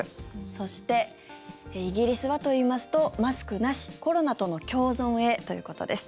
そして、イギリスはといいますとマスクなしコロナとの共存へということです。